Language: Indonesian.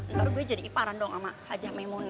ntar gue jadi iparan dong sama haja memona